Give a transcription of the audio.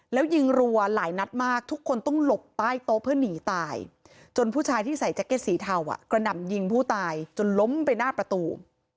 แล้วยิงรัวหลายนัดมากทุกคนต้องหลบใต้โต๊ะเพื่อหนีตายจนผู้ชายที่ใส่แจ็กเก็ตสีเทากระหน่ำยิงผู้ตายจนล้มไปหน้าประตู